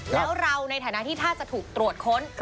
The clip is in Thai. แล้วเราในฐานะที่ถ้าจะถูกตรวจค้น